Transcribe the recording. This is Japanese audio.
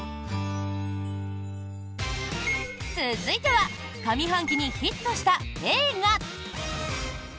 続いては上半期にヒットした映画！